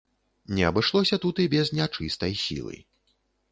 Не абышлося тут і без нячыстай сілы.